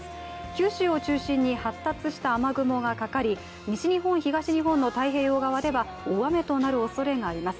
九州を中心に発達した雨雲がかかり西日本、東日本の太平洋側では大雨となるおそれがあります。